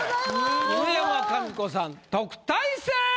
犬山紙子さん特待生！